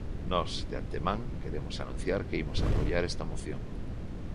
Nós, de antemán, queremos anunciar que imos apoiar esta moción.